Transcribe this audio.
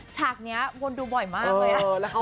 ฉากนี้วงดูบ่อยค่ะ